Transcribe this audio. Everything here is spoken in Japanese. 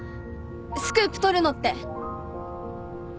スクープ取るのって。